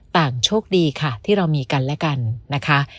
โชคดีค่ะที่เรามีกันและกันนะคะ